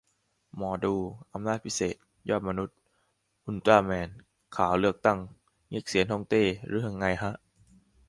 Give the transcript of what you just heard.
หมอดู อำนาจพิเศษ ยอดมนุษย์ อุลตร้าแมน ข่าวเลือกตั้งเง็กเซียนฮ่องเต้รึไงฮะ